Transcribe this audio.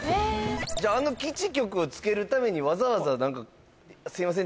じゃああの基地局をつけるためにわざわざすみません